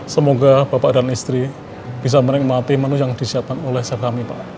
semoga bapak dan istri bisa menikmati menu yang disiapkan oleh sahabat kami pak